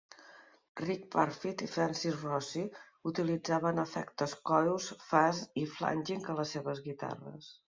Rick Parfitt i Francis Rossi utilitzaven efectes chorus, fuzz i flanging a les seves guitarres.